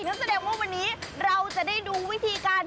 นั่นแสดงว่าวันนี้เราจะได้ดูวิธีการ